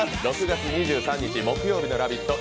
６月２３日木曜日の「ラヴィット！」